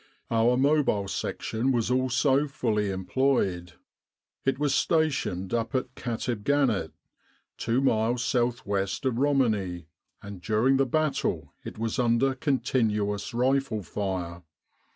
Our Mobile Section was also fully employed. It was stationed up at Katib Gannit, two miles south west of Romani, and during the battle it was under continuous rifle fire.